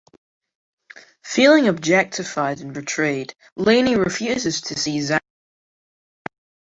Feeling objectified and betrayed, Laney refuses to see Zack again.